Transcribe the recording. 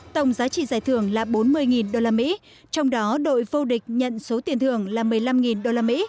tổng giá trị giải thưởng là bốn mươi usd trong đó đội vô địch nhận số tiền thưởng là một mươi năm usd